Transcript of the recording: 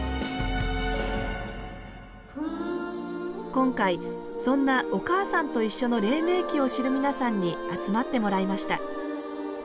今回そんな「おかあさんといっしょ」の黎明期を知る皆さんに集まってもらいました。